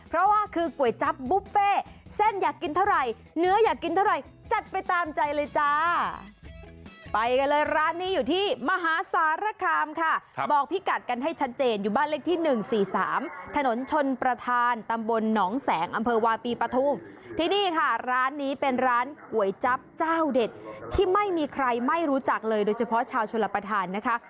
ร้านก๋วยจั๊บเจ้าเด็ดที่ไม่มีใครไม่รู้จักเลยโดยเฉพาะชาวชนประธานนะคะ